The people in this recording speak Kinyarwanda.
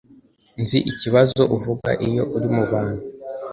Nzi ikibazo uvuga iyo uri mu bantu.